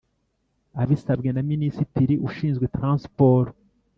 abisabwe na Minisitiri ushinzwe Transiporo.